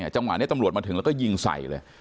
จังหวะนี้ตำรวจมาถึงแล้วก็ยิงใส่เลย